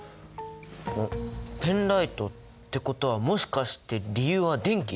おっペンライトってことはもしかして理由は電気？